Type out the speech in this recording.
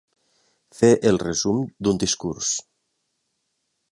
Fer el resum d'un discurs.